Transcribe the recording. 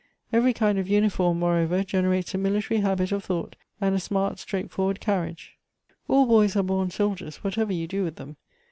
Every kind of uniform, moreover, genei ates a military habit of thought, and a smart, straightforwai'd carriage. All boys are born soldiers, whatever you do with them.